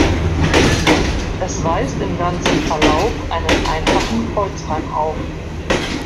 Es weist im ganzen Verlauf einen einfachen Kreuzreim auf.